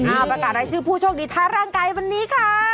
อ้าวประกาศได้ชื่อผู้โชคดีทาร่างไกลวันนี้ค่ะ